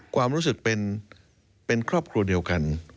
ความรู้สึกเป็นครอบครัวเดียวกัน